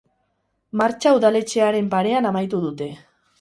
Martxa udaletxearen parean amaitu dute.